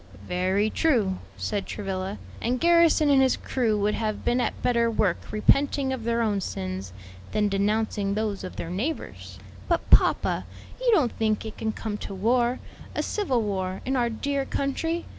"Very true," said Travilla, "and Garrison and his crew would have been at better work repenting of their own sins, than denouncing those of their neighbors." "But, papa, you don't think it can come to war, a civil war, in our dear country?